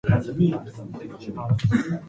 摩西過紅海